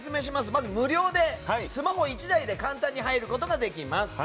まず無料でスマホ１台で簡単に入ることができます。